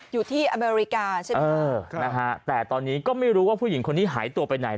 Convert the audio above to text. อยู่ที่อเมริกาใช่ไหมแต่ตอนนี้ก็ไม่รู้ว่าผู้หญิงคนนี้หายตัวไปไหน